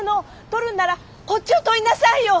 撮るんならこっちを撮りなさいよ！